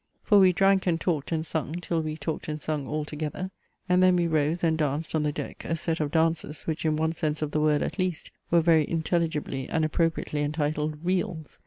For we drank and talked and sung, till we talked and sung all together; and then we rose and danced on the deck a set of dances, which in one sense of the word at least, were very intelligibly and appropriately entitled reels.